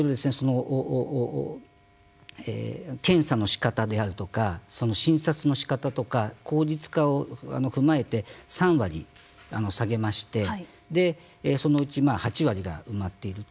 検査の仕方であるとか診察のしかたとか効率化を踏まえて３割下げましてそのうち８割が埋まっていると。